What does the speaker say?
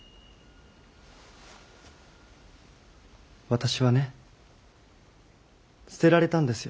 私はね捨てられたんですよ